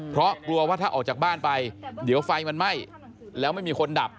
เพราะกลัวว่าถ้าออกจากบ้านไปเดี๋ยวไฟมันไหม้แล้วไม่มีคนดับ